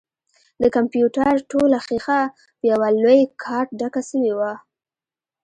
د کمپيوټر ټوله ښيښه په يوه لوى کارت ډکه سوې وه.